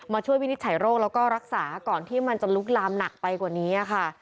ช่วยวินิจฉัยโรคแล้วก็รักษาก่อนที่มันจะลุกลามหนักไปกว่านี้ค่ะ